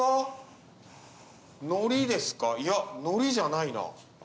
いやのりじゃないな。